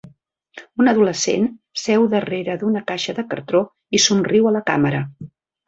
Un adolescent seu darrere d'una caixa de cartró i somriu a la càmera.